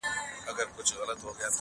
او خاصتاً یې بیا په غزل کي